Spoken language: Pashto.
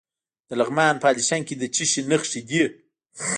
د لغمان په الیشنګ کې د څه شي نښې دي؟